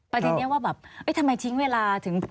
เป็นการทิ้งเวลาถึง